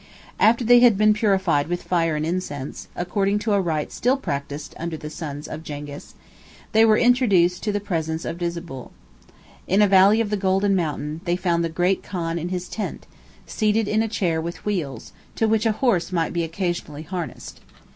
After they had been purified with fire and incense, according to a rite still practised under the sons of Zingis, 3611 they were introduced to the presence of Disabul. In a valley of the Golden Mountain, they found the great khan in his tent, seated in a chair with wheels, to which a horse might be occasionally harnessed.